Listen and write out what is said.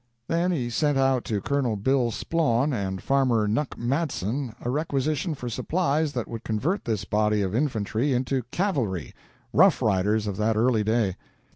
Then he sent out to Col. Bill Splawn and Farmer Nuck Matson a requisition for supplies that would convert this body of infantry into cavalry rough riders of that early day.